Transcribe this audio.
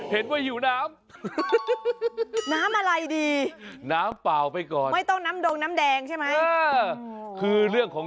เห็นว่าอยู่น้ำน้ำอะไรดีน้ำเปล่าไปก่อนไม่ต้องน้ำดงน้ำแดงใช่ไหมคือเรื่องของ